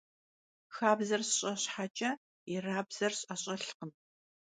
Xabzer sş'e şheç'e, yirabzer s'eş'elhkhım.